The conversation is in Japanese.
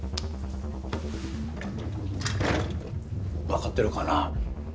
分かってるかな？